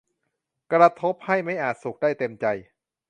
กระทบให้ไม่อาจสุขได้เต็มใจ